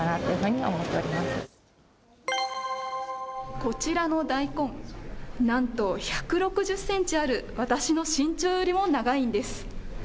こちらの大根、なんと１６０センチある私の身長よりも長いんです。